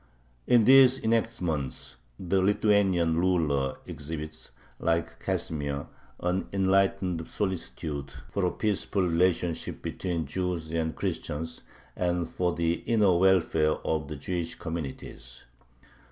In these enactments the Lithuanian ruler exhibits, like Casimir, an enlightened solicitude for a peaceful relationship between Jews and Christians and for the inner welfare of the Jewish communities.